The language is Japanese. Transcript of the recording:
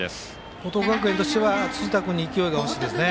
報徳学園としては辻田君に勢いが欲しいですね。